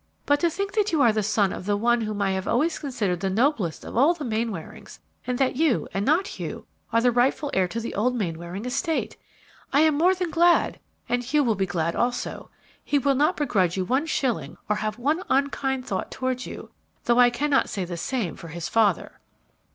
But to think that you are the son of the one whom I have always considered the noblest of all the Mainwarings, and that you, and not Hugh, are the rightful heir to the old Mainwaring estate! I am more than glad, and Hugh will be glad also. He will not begrudge you one shilling or have one unkind thought towards you, though I cannot say the same for his father."